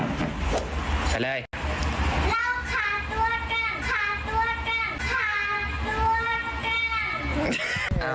เราขาดตัวกันขาดตัวกันขาดตัวกัน